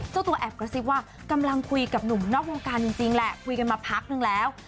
ตัวแอบกระซิบว่ากำลังคุยกับหนุ่มนอกวงการจริงแหละคุยกันมาพักนึงแล้ว